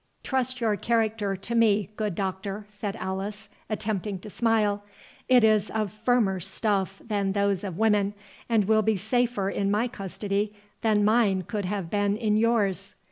"Trust your character to me, good Doctor," said Alice, attempting to smile; "it is of firmer stuff than those of women, and will be safer in my custody than mine could have been in yours.